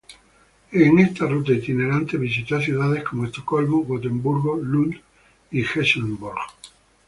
En esta ruta itinerante visitó ciudades como Estocolmo, Gotemburgo, Lund y Helsingborg.